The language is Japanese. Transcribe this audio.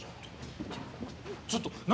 ちょっと。